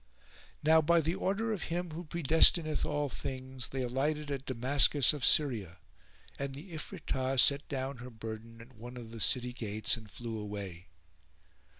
Now by the order of Him who predestineth all things, they alighted at Damascus of Syria, and the Ifritah set down her burden at one of the city gates and flew away.